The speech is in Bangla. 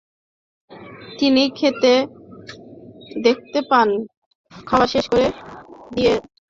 তিনি দেখতে পান, খাওয়া শেষ করে তাঁর দিকেই এগিয়ে আসছেন ইকবাল হাসান।